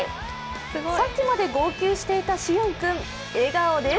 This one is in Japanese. さっきまで号泣していた師園君笑顔です。